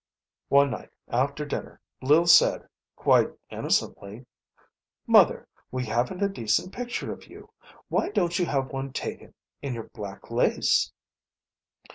One night after dinner Lil said, quite innocently, "Mother, we haven't a decent picture of you. Why don't you have one taken? In your black lace."